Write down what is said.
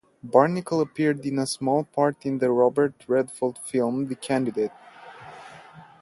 Barnicle appeared in a small part in the Robert Redford film "The Candidate".